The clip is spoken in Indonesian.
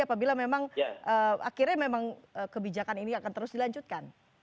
apabila memang akhirnya memang kebijakan ini akan terus dilanjutkan